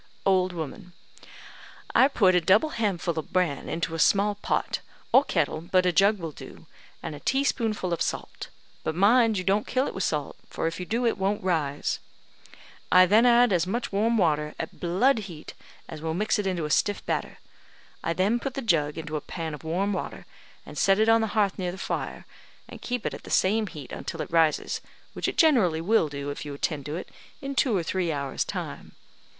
Old woman: "I put a double handful of bran into a small pot, or kettle, but a jug will do, and a teaspoonful of salt; but mind you don't kill it with salt, for if you do, it won't rise. I then add as much warm water, at blood heat, as will mix it into a stiff batter. I then put the jug into a pan of warm water, and set it on the hearth near the fire, and keep it at the same heat until it rises, which it generally will do, if you attend to it, in two or three hours' time.